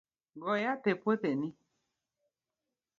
Go yath e puothini .